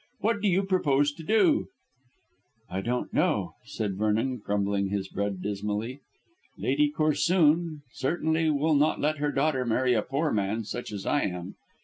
What do you propose to do?" "I don't know," said Vernon, crumbling his bread dismally. "Lady Corsoon certainly will not let her daughter marry a poor man such as I am.